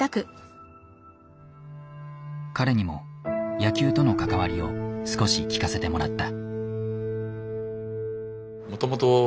彼にも野球との関わりを少し聞かせてもらった。